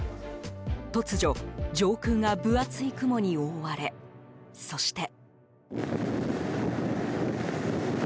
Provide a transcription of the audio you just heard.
突如、上空が分厚い雲に覆われそして。